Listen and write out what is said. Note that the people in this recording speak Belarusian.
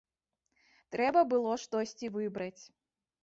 Трэба было штосьці выбраць.